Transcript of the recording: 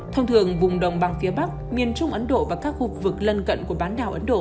thông thường vùng đồng bằng phía bắc miền trung ấn độ và các khu vực lân cận của bán đảo ấn độ